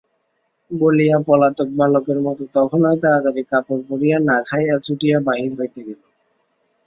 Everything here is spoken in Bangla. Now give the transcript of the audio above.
বলিয়া পলাতক বালকের মতো তখনই তাড়াতাড়ি কাপড় পরিয়া না খাইয়া ছুটিয়া বাহির হইতে গেল।